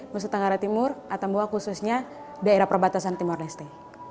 mesu tenggara timur atambua khususnya daerah perbatasan timor leste